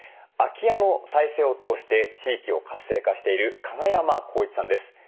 空き家の再生を通して地域を活性化している加賀山耕一さんです。